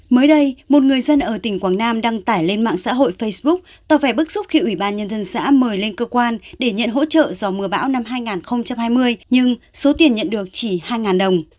mới đây một người dân ở tỉnh quảng nam đăng tải lên mạng xã hội facebook tỏ vẻ bức xúc khi ủy ban nhân dân xã mời lên cơ quan để nhận hỗ trợ do mưa bão năm hai nghìn hai mươi nhưng số tiền nhận được chỉ hai đồng